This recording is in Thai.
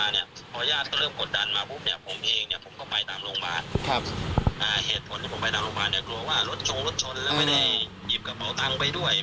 เรื่องที่ผ่านมาเนี่ยขออนุญาตก็เริ่มกดดันมา